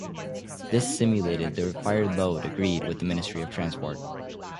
This simulated the required load agreed with the Ministry of Transport.